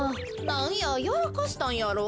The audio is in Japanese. なんややらかしたんやろ。